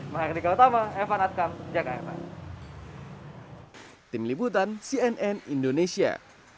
mahardika utama evan adkam jakarta